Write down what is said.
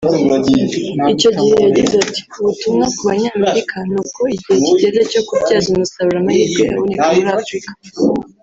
Icyo gihe yagize Ati “Ubutumwa ku Banyamerika ni uko igihe kigeze cyo kubyaza umusaruro amahirwe aboneka muri Afurika